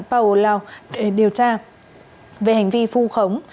paolao để điều tra về hành vi phu khống